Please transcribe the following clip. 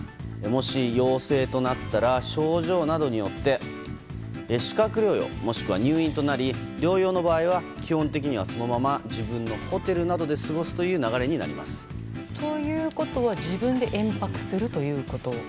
もし陽性となったら症状などによって宿泊療養、もしくは入院となり療養の場合は基本的にはそのまま自分のホテルなどで過ごすということは自分で延泊するということ？